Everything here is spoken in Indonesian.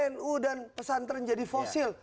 nu dan pesantren jadi fosil